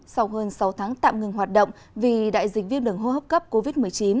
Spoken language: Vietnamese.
sau hơn sáu tháng tạm ngừng hoạt động vì đại dịch viêm đường hô hấp cấp covid một mươi chín